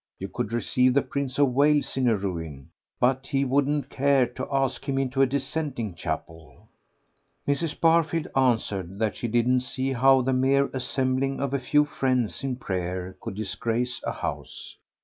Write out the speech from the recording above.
You could receive the Prince of Wales in a ruin, but he wouldn't care to ask him into a dissenting chapel. Mrs. Barfield answered that she didn't see how the mere assembling of a few friends in prayer could disgrace a house.